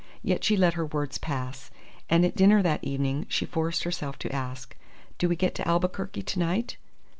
Yet she let her words pass. And at dinner that evening she forced herself to ask, "Do we get to Albuquerque to night?"